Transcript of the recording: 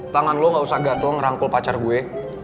tangan lo gak usah gatel ngerangkul pacar gue